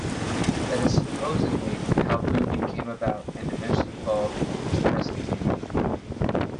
That is supposedly how "Boo-dee" came about and eventually evolved into its present name.